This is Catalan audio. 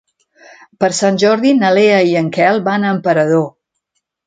Per Sant Jordi na Lea i en Quel van a Emperador.